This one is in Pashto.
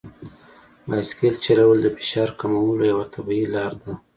بایسکل چلول د فشار کمولو یوه طبیعي لار ده.